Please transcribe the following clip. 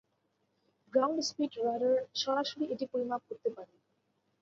Ground speed radar সরাসরি এটি পরিমাপ করতে পারে।